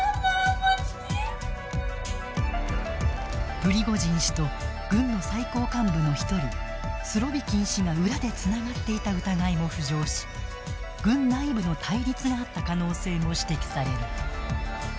プリゴジン氏と軍の最高幹部の１人スロビキン氏が裏でつながっていた疑いも浮上し軍内部の対立があった可能性も指摘される。